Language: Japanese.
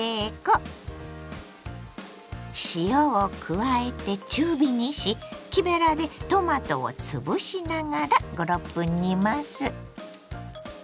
加えて中火にし木べらでトマトをつぶしながら５６分煮ます。